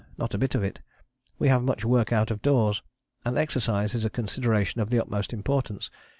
Not a bit of it. We have much work out of doors, and exercise is a consideration of the utmost importance.